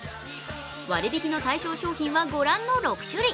割り引きの対象商品はご覧の６種類。